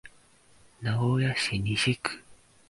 名古屋市西区